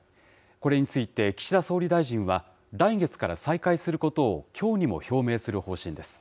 これについて、岸田総理大臣は、来月から再開することをきょうにも表明する方針です。